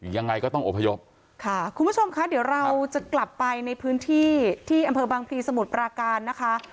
ยังไงก็ต้องอพยพค่ะคุณผู้ชมคะเดี๋ยวเราจะกลับไปในพื้นที่ที่อำเภอบางพลีสมุทรปราการนะคะ